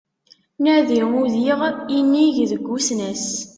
Nadi udiɣ inig seg usnas